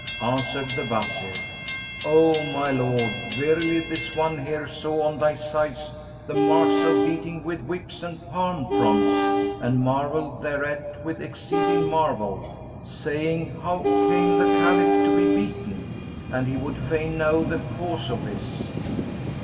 Answered the Wazir "O my lord, verily this one here saw on thy sides the marks of beating with whips and palm fronds and marvelled thereat with exceeding marvel, saying, 'How came the Caliph to be beaten?'; and he would fain know the cause of this."